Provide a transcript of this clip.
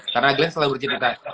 karena glenn selalu bercerita